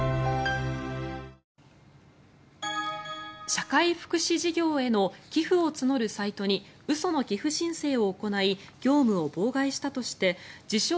社会福祉事業への寄付を募るサイトに嘘の寄付申請を行い業務を妨害したとして自称